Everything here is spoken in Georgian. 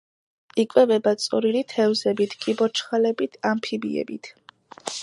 იკვებება წვრილი თევზებით, კიბორჩხალებით, ამფიბიებით.